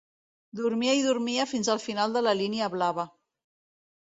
Dormia i dormia fins al final de la línia blava.